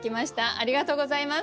ありがとうございます。